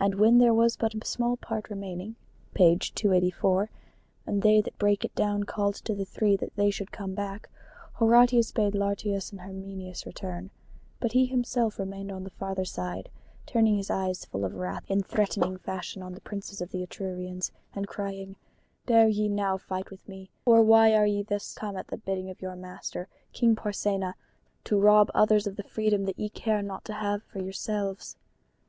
And when there was but a small part remaining, and they that brake it down called to the three that they should come back, Horatius bade Lartius and Herminius return, but he himself remained on the farther side, turning his eyes full of wrath in threatening fashion on the princes of the Etrurians, and crying, "Dare ye now to fight with me? or why are ye thus come at the bidding of your master, King Porsenna, to rob others of the freedom that ye care not to have for yourselves?"